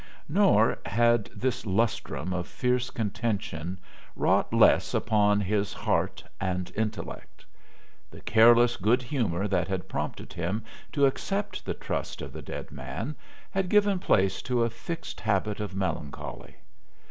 Nor had this lustrum of fierce contention wrought less upon his heart and intellect. The careless good humor that had prompted him to accept the trust of the dead man had given place to a fixed habit of melancholy.